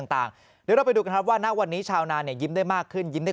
ต่างเราไปดูกันว่าณวันนี้ชาวนายิ้มได้มากขึ้นยิ้มได้